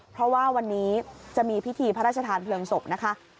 เพราะว่าวันนี้จะมีพิธีพระราชทานเพลิงศพนะคะ